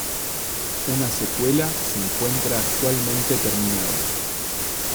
Una secuela se encuentra actualmente terminada.